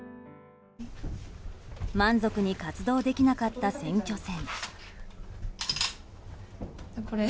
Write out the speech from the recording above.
満足に活動できなかった選挙戦。